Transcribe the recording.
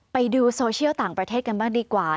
ไปดูโซเชียลต่างประเทศกันบ้างดีกว่า